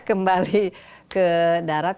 kembali ke darat